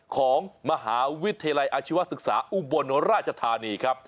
ของมหาวิทยาลัยอาชีวศึกษาอุบลราชธานีครับ